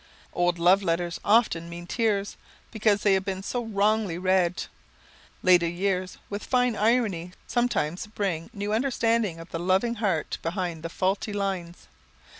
Old love letters often mean tears, because they have been so wrongly read. Later years, with fine irony, sometimes bring new understanding of the loving heart behind the faulty lines.